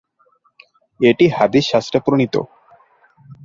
এটি হাদিস শাস্ত্রে প্রণীত।